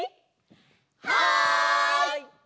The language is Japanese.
はい！